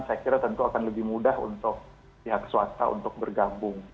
saya kira tentu akan lebih mudah untuk pihak swasta untuk bergabung